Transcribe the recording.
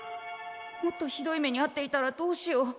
もっとひどい目にあっていたらどうしよう。